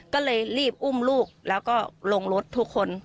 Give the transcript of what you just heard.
ก็เลยรีบอุ้มลูกแล้วก็ลงรถทุกคน